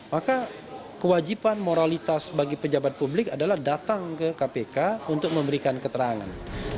maka kewajiban moralitas bagi pejabat publik adalah datang ke kpk untuk memberikan keterangan